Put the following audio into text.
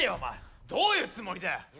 どういうつもりだよ？